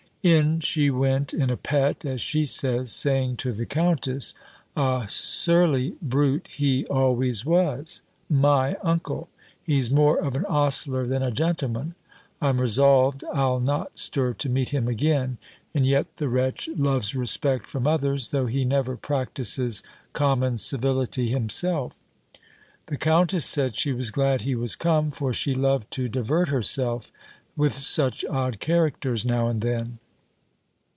In she went in a pet, as she says, saying to the countess, "A surly brute he always was! My uncle! He's more of an ostler than a gentleman; I'm resolved I'll not stir to meet him again. And yet the wretch loves respect from others, though he never practises common civility himself." The countess said, she was glad he was come, for she loved to divert herself with such odd characters now and then.